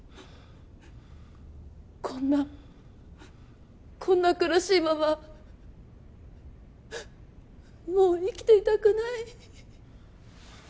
こんなこんな苦しいままもう生きていたくない。